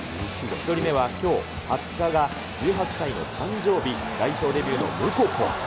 １人目はきょう、２０日が１８歳の誕生日、代表デビューのムココ。